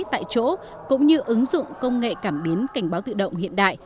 tại chỗ cũng như ứng dụng công nghệ cảm biến cảnh báo tự động hiện đại